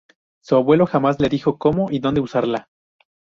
Su abuelo jamás le dijo cómo y dónde usarla.